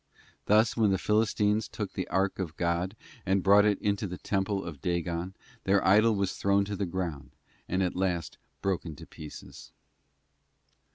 Thus, when the Philistines took the ark of God and brought it into the temple of Dagon, their idol was thrown to the ground, and at last broken to pieces.